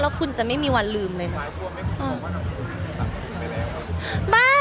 แล้วคุณจะไม่มีวันลืมเลยค่ะ